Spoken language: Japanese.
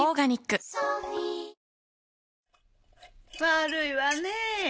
悪いわねぇ。